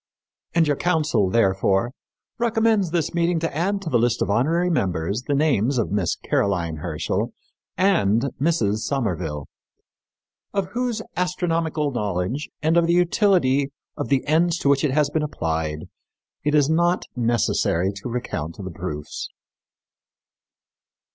And your council, therefore, recommends this meeting to add to the list of honorary members the names of Miss Caroline Herschel and Mrs. Somerville, of whose astronomical knowledge, and of the utility of the ends to which it has been applied, it is not necessary to recount the proofs."